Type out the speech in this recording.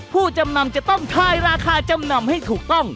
ผู้จำนำจะต้องทายราคาจำนำให้ถูกต้อง